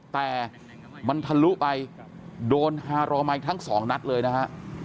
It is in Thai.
แต่มันทะลุไปโดนฮารอไมคทั้งสองนัดเลยนะฮะ